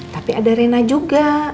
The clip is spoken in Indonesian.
tapi ada rena juga